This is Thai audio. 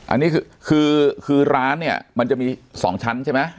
อันนี้คือคือร้านเนี่ยมันจะมี๒ชั้นใช่ไหม